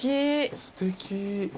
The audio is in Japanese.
すてき。